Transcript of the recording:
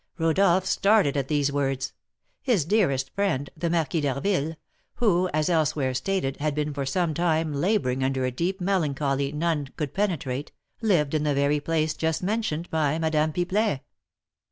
'" Rodolph started at these words. His dearest friend, the Marquis d'Harville, who, as elsewhere stated, had been for some time labouring under a deep melancholy none could penetrate, lived in the very place just mentioned by Madame Pipelet.